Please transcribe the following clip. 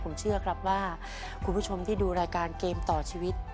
ผมเชื่อครับว่าคุณผู้ชมที่ดูรายการเกมต่อชีวิต